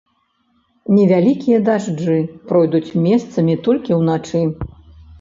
Невялікія дажджы пройдуць месцамі толькі ўначы.